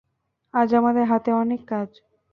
আজ আমাদের হাতে অনেক কাজ।